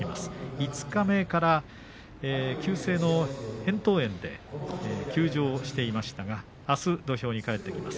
五日目から急性のへんとう炎で休場していましたがあす土俵に帰ってきます。